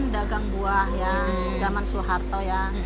dagang buah ya zaman soeharto ya